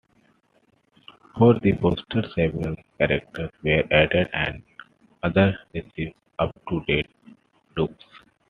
For the poster, several characters were added and others received up-to-date looks.